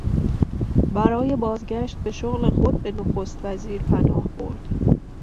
برای بازگشت به شغل خود به نخست وزیر پناه برد.